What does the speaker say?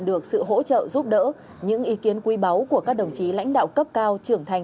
được sự hỗ trợ giúp đỡ những ý kiến quý báu của các đồng chí lãnh đạo cấp cao trưởng thành